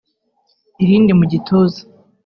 irindi mu gituza